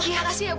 ya makasih ya ibu